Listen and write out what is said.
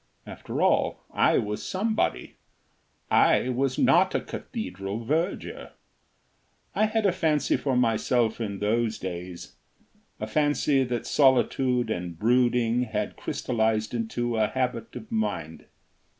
After all, I was somebody; I was not a cathedral verger. I had a fancy for myself in those days a fancy that solitude and brooding had crystallised into a habit of mind.